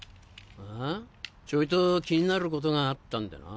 ちょいと気になることがあったんでな。